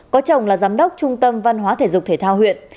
có chồng là giám đốc trung tâm văn hóa thể dục thể thao huyện